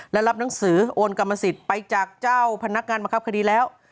และรับหนังสือโอนกรรมสิทธิ์ไปจากเจ้าพนักงานบังคับคดีแล้ว